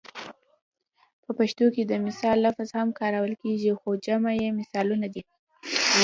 په پښتو کې د مثال لفظ هم کارول کیږي خو جمع یې مثالونه ده